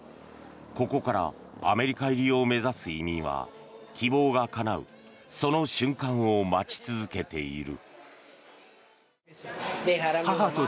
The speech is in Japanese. ここからアメリカ入りを目指す移民は希望がかなうその瞬間を待ち続けている。